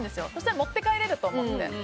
持って帰れると思って。